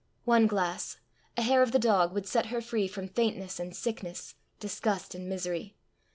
One glass a hair of the dog would set her free from faintness and sickness, disgust and misery!